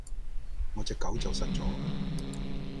我隻狗走失咗